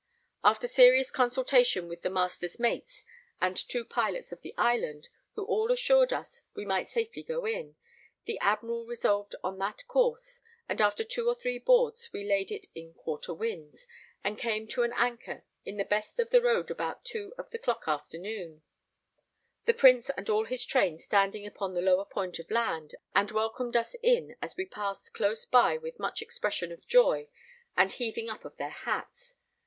After serious consultation with the master's mates and two pilots of the island, who all assured us we might safely go in, the Admiral resolved on that course, and after two or three boards we laid it in quarter winds, and came to an anchor in the best of the road about 2 of the clock afternoon; the Prince and all his train standing upon the lower point of land, and welcomed us in as we passed close by with much expression of joy and heaving up their hats.